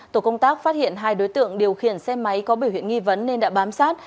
tổ công tác phát hiện hai đối tượng điều khiển xe máy có biểu hiện nghi vấn nên đã bám sát